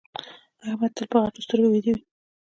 احمد تل په غټو سترګو ويده وي.